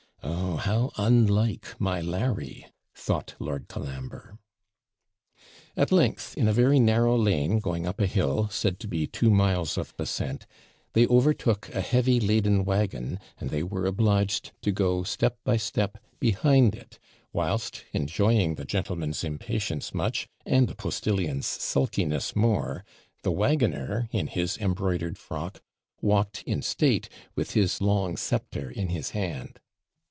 'Oh, how unlike my Larry!' thought Lord Colambre. At length, in a very narrow lane, going up a hill, said to be two miles of ascent, they overtook a heavy laden waggon, and they were obliged to go step by step behind it, whilst, enjoying the gentleman's impatience much, and the postillion's sulkiness more, the waggoner, in his embroidered frock, walked in state, with his long sceptre in his hand.